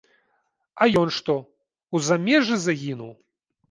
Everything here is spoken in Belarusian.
А ён што, у замежжы загінуў?